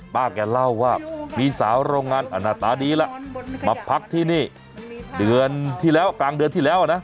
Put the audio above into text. ป้าแกเล่าว่ามีสาวโรงงานหน้าตาดีแล้วมาพักที่นี่เดือนที่แล้วกลางเดือนที่แล้วนะ